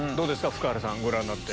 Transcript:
福原さんご覧になって。